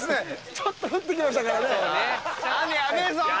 ちょっと降ってきましたね。